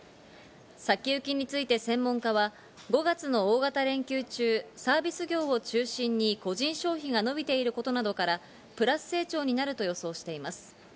先行きについて専門家は５月の大型連休中、サービス業を中心に個人消費が伸びていることなどからプラス成長になると予想しています。